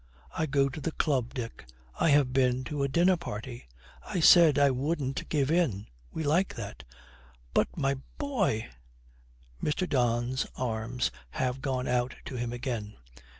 I go to the club. Dick, I have been to a dinner party. I said I wouldn't give in.' 'We like that.' 'But, my boy ' Mr. Don's arms have gone out to him again.